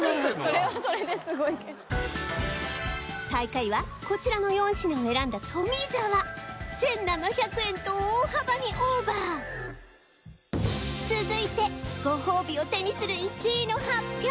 それはそれですごいけど最下位はこちらの４品を選んだ富澤１７００円と大幅にオーバー続いてご褒美を手にする１位の発表